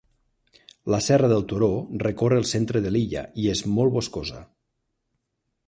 La serra del turó recorre el centre de l'illa i és molt boscosa.